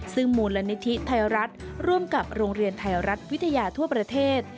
ซึ่งมูลนิธิไทยรัฐร่วมกับโรงเรียนไทยรัฐวิทยาทั่วประเทศ